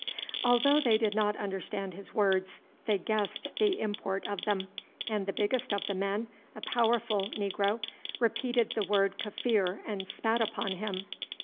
Although they did not understand his words they guessed the import of them, and the biggest of the men, a powerful negro, repeated the word Kaffir and spat upon him.